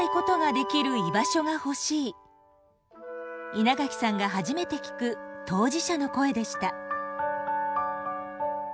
稲垣さんが初めて聞く当事者の声でした。